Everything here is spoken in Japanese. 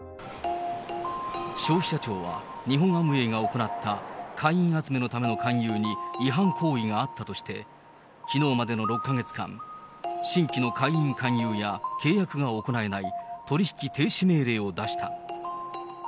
消費者庁は日本アムウェイが行った会員集めのための勧誘に違反行為があったとして、きのうまでの６か月間、新規の会員勧誘や契約が行えない取引停止命令を出した。